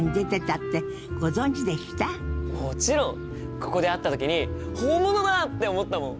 ここで会った時に本物だって思ったもん！